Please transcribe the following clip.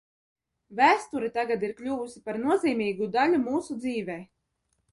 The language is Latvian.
Vēsture tagad ir kļuvusi par nozīmīgu daļu mūsu dzīvē.